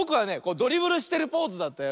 ドリブルしてるポーズだったよ。